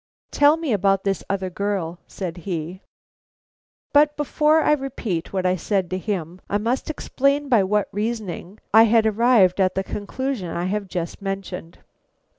"Tell me about this other girl," said he. But before I repeat what I said to him, I must explain by what reasoning I had arrived at the conclusion I have just mentioned.